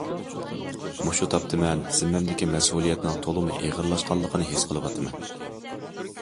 مۇشۇ تاپتا مەن زىممەمدىكى مەسئۇلىيەتنىڭ تولىمۇ ئېغىرلاشقانلىقىنى ھېس قىلىۋاتىمەن.